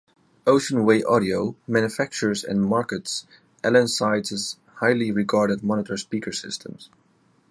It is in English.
Ocean Way Audio manufactures and markets Allen Sides' highly regarded monitor speaker systems.